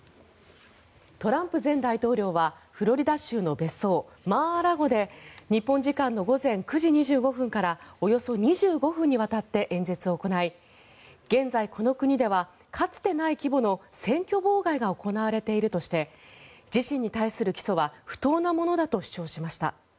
トランプ前大統領はフロリダ州の別荘マー・ア・ラゴで日本時間の午前９時２５分からおよそ２５分にわたって演説を行い現在、この国ではかつてない規模の選挙妨害が行われているとして自身に対する起訴は不当なものだと主張しました。